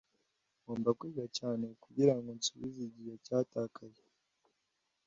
Ngomba kwiga cyane kugirango nsubize igihe cyatakaye.